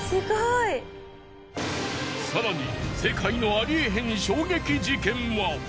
更に世界のありえへん衝撃事件は。